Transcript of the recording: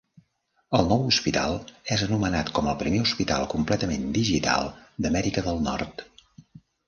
El nou hospital és anomenat com "el primer hospital completament digital d'Amèrica del Nord".